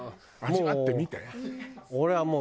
味わってみて。